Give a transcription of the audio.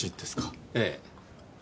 ええ。